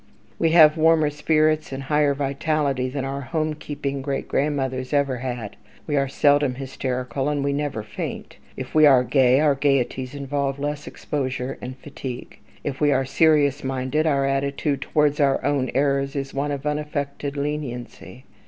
We have warmer spirits and a higher vitality than our home keeping great grandmothers ever had. We are seldom hysterical, and we never faint. If we are gay, our gayeties involve less exposure and fatigue. If we are serious minded, our attitude towards our own errors is one of unaffected leniency.